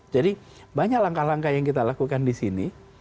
jadi banyak langkah langkah yang kita lakukan di sini